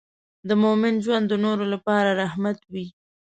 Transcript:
د مؤمن ژوند د نورو لپاره رحمت وي.